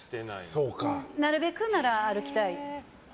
なるべくなら歩きたい。